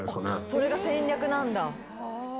それが戦略なんだ。